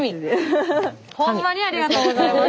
ほんまにありがとうございます！